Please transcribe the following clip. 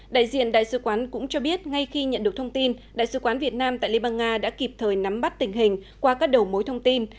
đại diện đại sứ quán cũng cho biết ngay khi nhận được thông tin đại sứ quán việt nam tại liên bang nga đã kịp thời nắm bắt tình hình qua các đầu mối thông tin